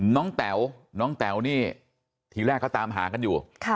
แต๋วน้องแต๋วนี่ทีแรกเขาตามหากันอยู่